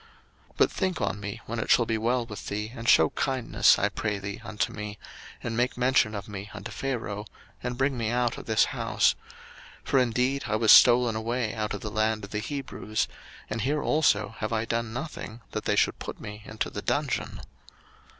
01:040:014 But think on me when it shall be well with thee, and shew kindness, I pray thee, unto me, and make mention of me unto Pharaoh, and bring me out of this house: 01:040:015 For indeed I was stolen away out of the land of the Hebrews: and here also have I done nothing that they should put me into the dungeon.